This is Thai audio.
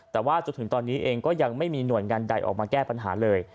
แต่ว่าจนถึงตอนนี้เองก็ยังไม่มีหน่วยงานใดออกมาแก้ปัญหาเลย